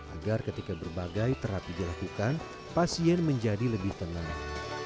agar ketika berbagai terapi dilakukan pasien menjadi lebih tenang